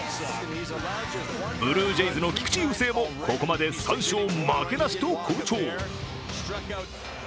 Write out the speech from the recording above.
ブルージェイズの菊池雄星もここまで３勝負けなしと好調。